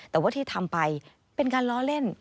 แต่ว่าที่ทำไปเป็นการล้อเล่น